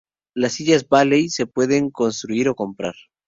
Las "sillas bailey" se pueden construir o comprar.